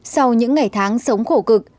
sau những ngày tháng sống khổ cực